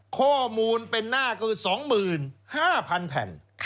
ข้อมูลเป็นหน้าก็คือ๒๕๐๐๐แผ่น